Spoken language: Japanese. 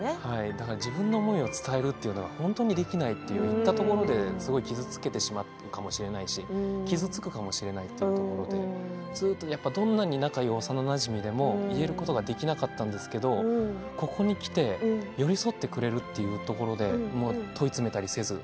だから自分の思いを伝えるっていうのが本当にできないっていう言ったところで、すごい傷つけてしまうかもしれないし傷つくかもしれないというところで、ずっとどんなに仲いい幼なじみでも言えることができなかったんですけどここに来て、寄り添ってくれるっていうところで問い詰めたりせず。